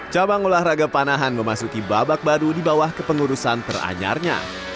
cabang olahraga panahan memasuki babak baru di bawah kepengurusan teranyarnya